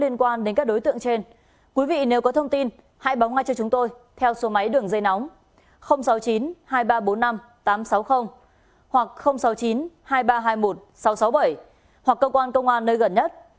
nếu có thông tin hãy báo ngay cho chúng tôi theo số máy đường dây nóng sáu mươi chín hai nghìn ba trăm bốn mươi năm tám trăm sáu mươi hoặc sáu mươi chín hai nghìn ba trăm hai mươi một sáu trăm sáu mươi bảy hoặc cơ quan công an nơi gần nhất